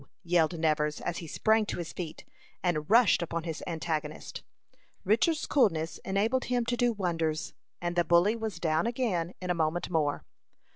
yelled Nevers, as he sprang to his feet, and rushed upon his antagonist. Richard's coolness enabled him to do wonders, and the bully was down again in a moment more.